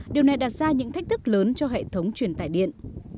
điều này đặt ra những thách thức lớn cho hệ thống truyền tải điện